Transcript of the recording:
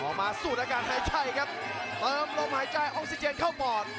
ออกมาสูดอาการหายใจครับเติมลมหายใจออกซิเจนเข้าปอด